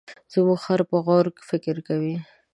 زموږ خر په غور فکر کوي.